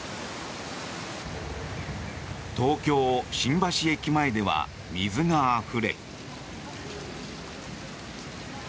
東京・新橋駅前では水があふれ。